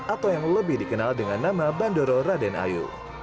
atau yang lebih dikenal dengan nama bandoro raden ayu